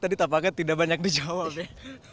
tadi tampaknya tidak banyak dijawab ya